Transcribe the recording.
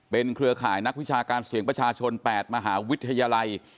เครือข่ายนักวิชาการเสียงประชาชน๘มหาวิทยาลัย